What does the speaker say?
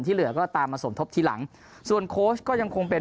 เหลือก็ตามมาสมทบทีหลังส่วนโค้ชก็ยังคงเป็น